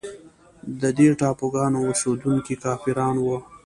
د دې ټاپوګانو اوسېدونکي کافران وه.